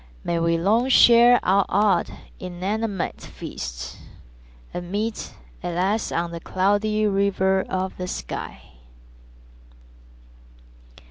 May we long share our odd, inanimate feast, And meet at last on the Cloudy River of the sky.